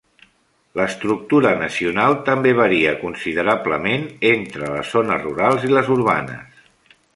L'estructura nacional també varia considerablement entre les zones rurals i les urbanes.